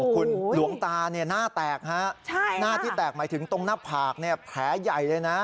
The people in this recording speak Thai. คุณหลวงตาหน้าแตกฮะหน้าที่แตกหมายถึงตรงหน้าผากแผลใหญ่เลยนะ